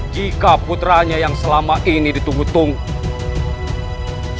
jika putranya yang selama ini ditunggu tunggu